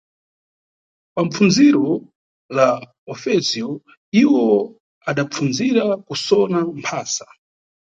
Papfundziro la Ofisiyo iwo adapfundzira kusona mphasa.